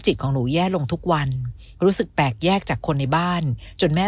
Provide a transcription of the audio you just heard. ของหนูแย่ลงทุกวันรู้สึกแปลกแยกจากคนในบ้านจนแม่